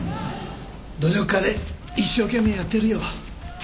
努力家で一生懸命やってるよ。